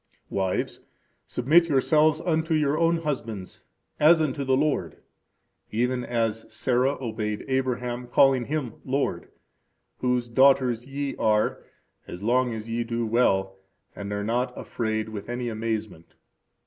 Wives, submit yourselves unto your own husbands, as unto the Lord, even as Sarah obeyed Abraham, calling him lord; whose daughters ye are, as long as ye do well, and are not afraid with any amazement.